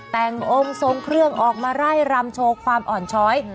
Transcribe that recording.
แต่งองค์ทรงเครื่องออกมาไล่รำโชว์ความอ่อนช้อย